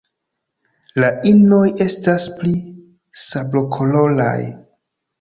La inoj estas pli sablokoloraj.